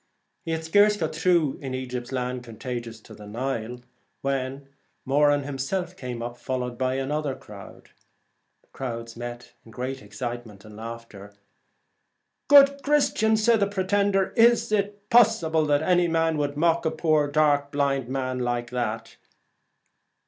He had scarce got through ' In Egypt's land, contagious to the Nile,' when Moran himself came up, followed by another crowd. The crowds met in great 85 The excitement and laughter. Good Chris Celtic ..& Twilight, tians, cried the pretender, ' is it possible that any man would mock the poor dark man like that